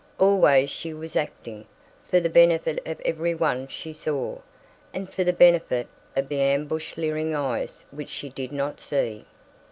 Always she was acting, for the benefit of every one she saw and for the benefit of the ambushed leering eyes which she did not see.